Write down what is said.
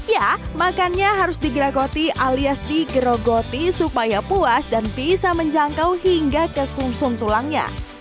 ya makannya harus digragoti alias digerogoti supaya puas dan bisa menjangkau hingga ke sum sum tulangnya